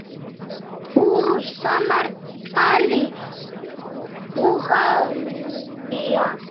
ღურუს სამართალი ვაუღუნია